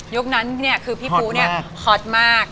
ยุคนั้นเนี่ยคือพี่ปลูหอตมาก